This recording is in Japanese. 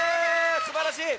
すばらしい！